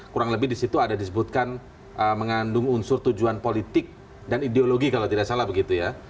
kurang lebih di situ ada disebutkan mengandung unsur tujuan politik dan ideologi kalau tidak salah begitu ya